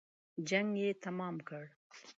جنګ یې تمام کړ.